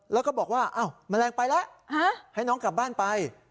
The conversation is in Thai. แล้วก็บอกว่าอ้าวแมลงไปแล้วให้น้องกลับบ้านไป